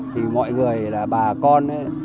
thì mọi người là bà con ấy